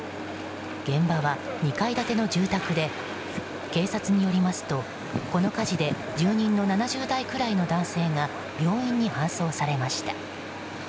現場は、２階建ての住宅で警察によりますとこの火事で住人の７０代くらいの男性が病院に搬送されました。